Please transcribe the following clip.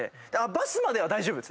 バスまでは大丈夫。